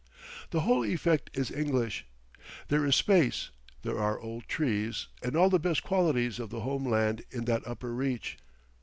The whole effect is English. There is space, there are old trees and all the best qualities of the home land in that upper reach.